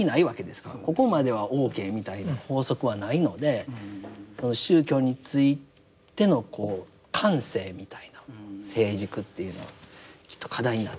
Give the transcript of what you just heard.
ここまではＯＫみたいな法則はないので宗教についてのこう感性みたいな成熟っていうのはきっと課題になってくるんじゃないか。